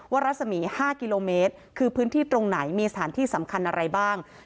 รัศมี๕กิโลเมตรคือพื้นที่ตรงไหนมีสถานที่สำคัญอะไรบ้าง